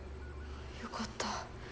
よかった。